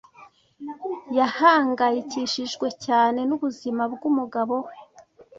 Yahangayikishijwe cyane n'ubuzima bw'umugabo we.